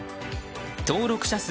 登録者数